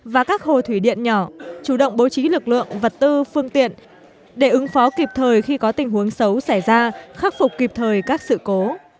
và các hồ thủy điện nhỏ chủ động bố trí lực lượng vật tư phương tiện để ứng phó kịp thời khi có tình huống xấu xảy ra khắc phục kịp thời các sự cố